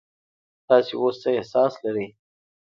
تاسو اوس څه احساس لرئ؟